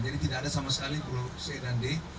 jadi tidak ada sama sekali pulau c dan d